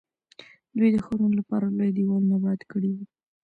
دوی د ښارونو لپاره لوی دیوالونه اباد کړي وو.